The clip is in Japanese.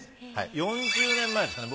４０年前ですかね